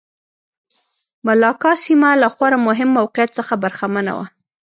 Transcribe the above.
ملاکا سیمه له خورا مهم موقعیت څخه برخمنه وه.